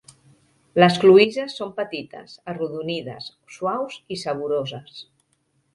Les cloïsses són petites, arrodonides, suaus i saboroses.